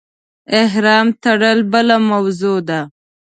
احرام تړل بله موضوع ده.